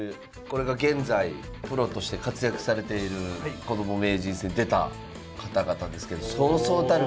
これが現在プロとして活躍されている「こども名人戦」出た方々ですけどそうそうたるメンバーが。